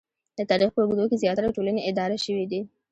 د تاریخ په اوږدو کې زیاتره ټولنې اداره شوې دي